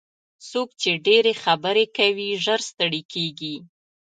څوک چې ډېرې خبرې کوي ژر ستړي کېږي.